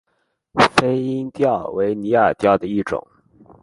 飞蝇钓为拟饵钓的一种。